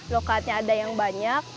lokakannya ada yang banyak